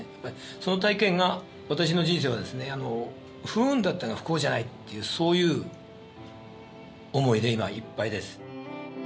その体験が私の人生は不運だったが不幸じゃないっていうそういう思いで今いっぱいです。